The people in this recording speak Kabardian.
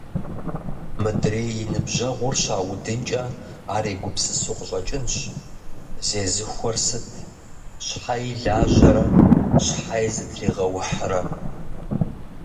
Мыдрей и ныбжьэгъур щаудынкӏэ, ар егупсысу къыщӏэкӏынщ: «Зезыхуэр сыт… Щхьэи лажьэрэ, щхьэи зытригъэухьрэ!».